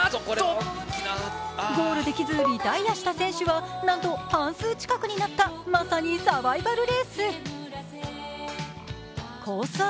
ゴールできずリタイアした選手はなんと半数近くになったまさにサバイバルレース。コース